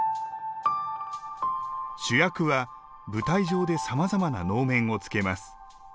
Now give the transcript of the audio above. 主役は、舞台上でさまざまな能面をつけます。